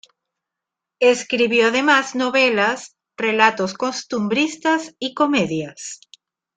Escribió además novelas, relatos costumbristas y comedias.